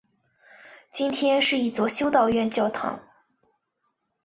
今天是一座修道院教堂。